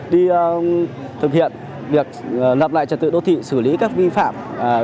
đi thực hiện việc lập lại trật tự đô thị xử lý các vi phạm